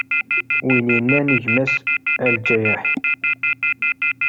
Win yennan i gma-s: A lǧayeḥ!